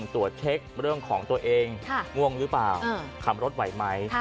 ตรวจเช็คเรื่องของตัวเองง่วงหรือเปล่าขับรถไหวไหม